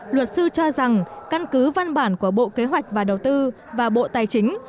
luật sư cho rằng căn cứ văn bản của bộ kế hoạch và đầu tư và bộ tài chính